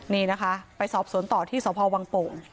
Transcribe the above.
นี่นะคะไปสอบโสนต่อที่สตวง